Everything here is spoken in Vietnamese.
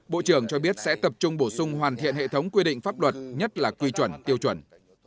bộ trưởng cho biết sẽ tập trung bổ sung hoàn thiện hệ thống quy định pháp luật nhất là quy chuẩn tiêu chuẩn